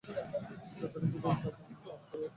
যতদিন পর্যন্ত টাকা না ফুরিয়েছে।